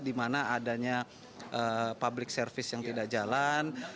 di mana adanya public service yang tidak jalan